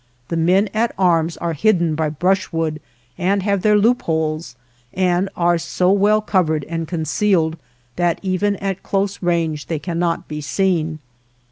The men at arms are hidden by brushwood and have their loopholes, and are so well covered and concealed that even at close range they cannot be seen.